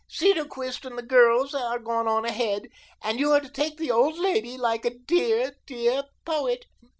Cedarquist and the girls are gone on ahead, and you are to take the old lady like a dear, dear poet.